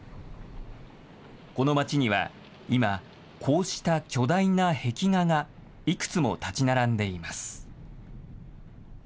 この町には、今、こうした巨大な壁画がいくつも立ち並んでいます。